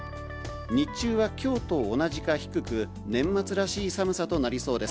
日中はきょうと同じか低く、年末らしい寒さとなりそうです。